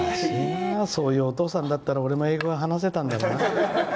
そういうお父さんだったら俺も英語が話せたんだろうな。